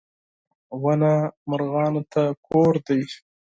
• ونه مرغانو ته کور دی.